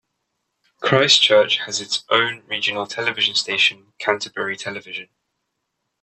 Christchurch has its own regional television station Canterbury Television.